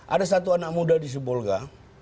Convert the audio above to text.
ada satu anak muda di sebolga